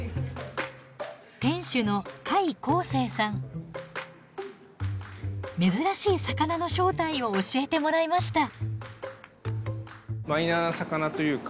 店主の珍しい魚の正体を教えてもらいました。